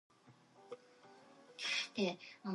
The Cabinet Secretary is Bill McGinley.